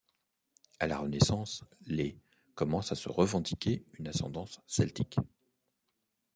À la Renaissance, les commencent à se revendiquer une ascendance celtique.